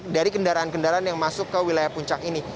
dari kendaraan kendaraan yang masuk ke wilayah puncak ini